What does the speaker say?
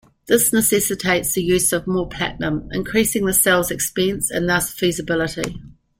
This necessitates the use of more platinum, increasing the cell's expense and thus feasibility.